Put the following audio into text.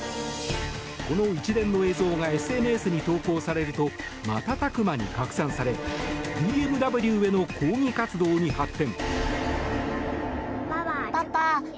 この一連の映像がＳＮＳに投稿されると瞬く間に拡散されＢＭＷへの抗議活動に発展。